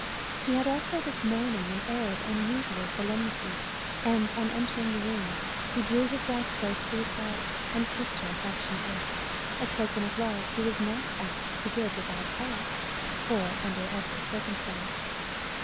He had also this morning an air of unusual solemnity, and on entering the room, he drew his wife close to his heart and kissed her affectionately, a token of love he was not apt to give without thought, or under every circumstance.